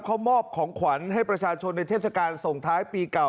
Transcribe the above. เขามอบของขวัญให้ประชาชนในเทศกาลส่งท้ายปีเก่า